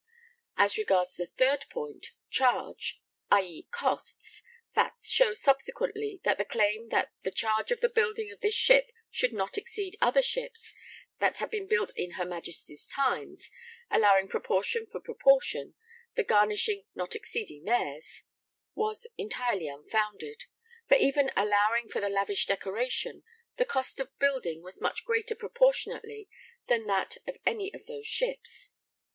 As regards the third point, 'charge,' i.e. costs, facts showed subsequently that the claim that 'the charge of the building of this ship should not exceed other ships that had been built in her Majesty's times ... allowing proportion for proportion, the garnishing not exceeding theirs,' was entirely unfounded; for even allowing for the lavish decoration, the cost of building was much greater proportionately than that of any of those ships.